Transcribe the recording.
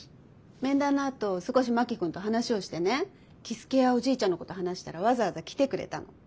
面談のあと少し真木君と話をしてね樹介やおじいちゃんのこと話したらわざわざ来てくれたの。